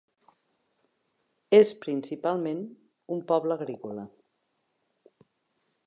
És principalment un poble agrícola.